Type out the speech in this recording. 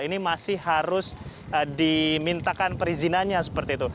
ini masih harus dimintakan perizinannya seperti itu